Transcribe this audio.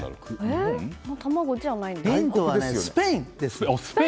ヒントは、スペインです。